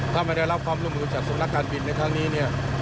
ถ้าไม่ได้รับความร่วมมือจากสำนักการบินในครั้งนี้เนี่ย